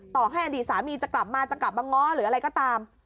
ต่อให้อดีตสามีจะกลับมาจะกลับมาง้อหรืออะไรก็ตาม